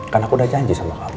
karena aku udah janji sama kamu